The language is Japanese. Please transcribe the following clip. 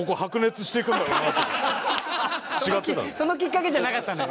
そのきっかけじゃなかったのよ。